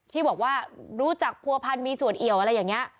ที่บอกว่ารู้จักผัวพันธ์มีส่วนเอี่ยวอะไรอย่างนี้